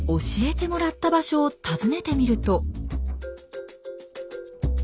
教えてもらった場所を訪ねてみると。